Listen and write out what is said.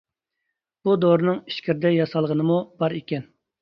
بۇ دورىنىڭ ئىچكىرىدە ياسالغىنىمۇ بار ئىكەن.